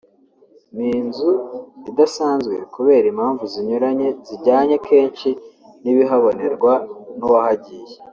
ni inzu idasanzwe kubera impamvu zinyuranye zijyanye kenshi n’ibihabonerwa n’uwahagiye